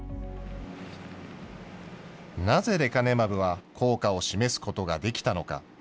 なぜレカネマブは効果を示すことができたのか。